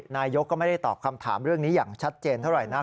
นายกก็ไม่ได้ตอบคำถามเรื่องนี้อย่างชัดเจนเท่าไหร่นัก